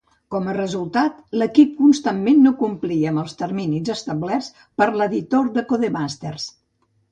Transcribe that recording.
Com a resultat, l'equip constantment no complia amb els terminis establerts per l'editor de Codemasters.